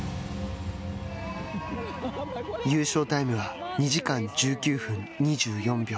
優勝タイムは、２時間１９分２４秒。